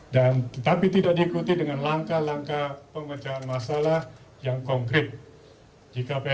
dan tetapi tidak diikuti dengan langkah langkah pemerintah